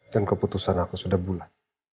dan keputusan aku sudah bulat